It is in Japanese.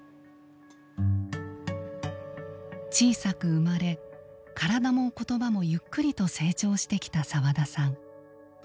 小さく生まれ体も言葉もゆっくりと成長してきた澤田さん。